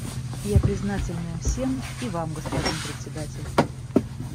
Я признательна им всем, и Вам, господин Председатель.